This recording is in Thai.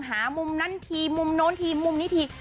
หามุมนั้นทีมุมโน้นทีมุมนี้ที